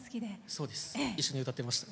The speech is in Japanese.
そうです、一緒に歌ってました。